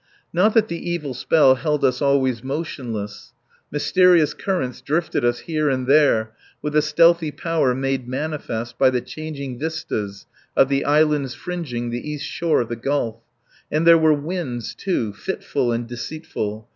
Not that the evil spell held us always motionless. Mysterious currents drifted us here and there, with a stealthy power made manifest only by the changing vistas of the islands fringing the east shore of the Gulf. And there were winds, too, fitful and deceitful.